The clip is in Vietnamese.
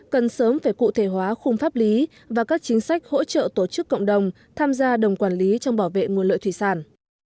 cần sớm phải cụ thể hóa khung pháp lý và các chính sách hỗ trợ tổ chức cộng đồng tham gia đồng quản lý trong bảo vệ nguồn lợi thủy sản